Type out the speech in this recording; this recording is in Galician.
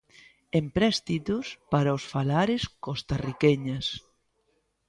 Empréstitos para os falares costarriqueñas.